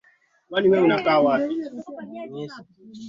imi ni ebi shaban abdala na awali yeyote